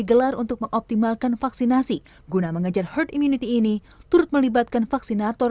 digelar untuk mengoptimalkan vaksinasi guna mengejar herd immunity ini turut melibatkan vaksinator